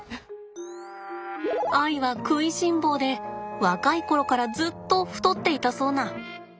愛は食いしん坊で若い頃からずっと太っていたそうな。